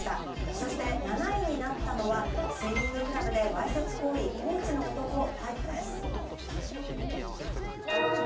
そして７位になったのは、スイミングクラブでわいせつ行為、コーチの男逮捕です。